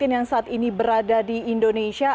yang saat ini berada di indonesia